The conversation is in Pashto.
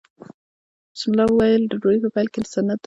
بسم الله ویل د ډوډۍ په پیل کې سنت دي.